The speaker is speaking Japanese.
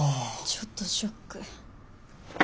ちょっとショック。